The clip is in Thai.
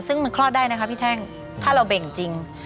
ซึ่งมันคลอดได้นะคะพี่แท่งถ้าเราเบ่งจริง